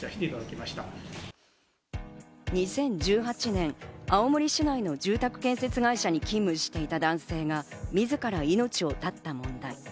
２０１８年、青森市内の住宅建設会社に勤務していた男性が、みずから命を絶った問題。